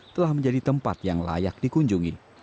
telah menjadi tempat yang layak dikunjungi